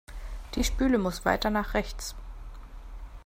Die Spüle muss weiter nach rechts.